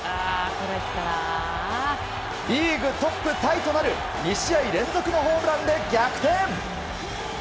リーグトップタイとなる２試合連続のホームランで逆転！